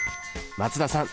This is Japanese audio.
松田さん